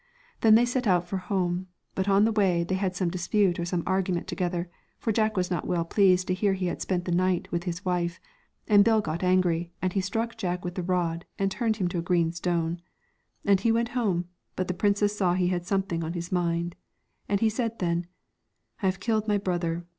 Then they set out for home, but on the way they had some dispute or some argu ment together, for Jack was not well pleased to hear he had spent the night with his wife, and Bill got angry, and he struck Jack with the rod, and turned him to a 229 green stone. And he went home, but the princess saw he had something on his mind, and he said then, ' I have killed my brother.'